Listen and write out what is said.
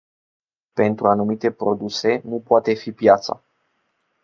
Pentru anumite produse, nu poate fi piața.